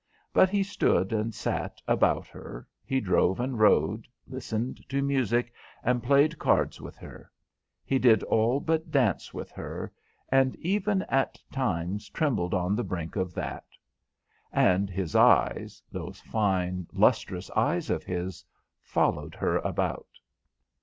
But he stood and sat about her, he drove and rode, listened to music, and played cards with her; he did all but dance with her, and even at times trembled on the brink of that. And his eyes, those fine, lustrous eyes of his, followed her about.